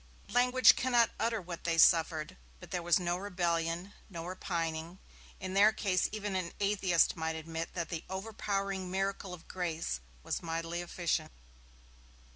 Language cannot utter what they suffered, but there was no rebellion, no repining; in their case even an atheist might admit that the overpowering miracle of grace was mightily efficient.